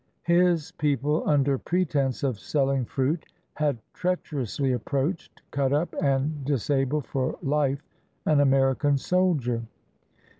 His people under pretense of selHng fruit had treacherously approached, cut up, and dis abled for life an American soldier.